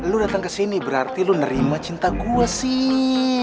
lu datang kesini berarti lu nerima cinta gue sih